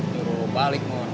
suruh balik mohon